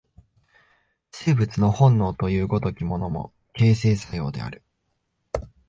生物の本能という如きものも、形成作用である。